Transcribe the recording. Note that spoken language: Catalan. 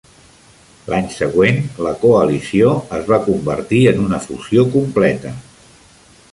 L'any següent, la coalició es va convertir en una fusió completa.